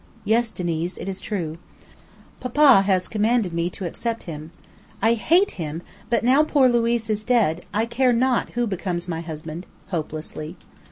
"Yes, Diniz, it is true. Papa has commanded me to accept him. I hate him; but now poor Luiz is dead, I care not who becomes my husband," hopelessly.